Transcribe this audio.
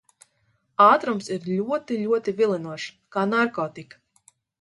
Ātrums ir ļoti, ļoti vilinošs. Kā narkotika.